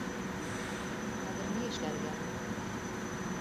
Хәҙер ни эшләргә?